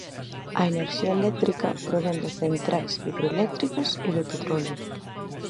A enerxía eléctrica provén de centrais hidroeléctricas e do petróleo.